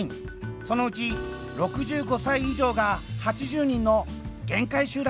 そのうち６５歳以上が８０人の限界集落です。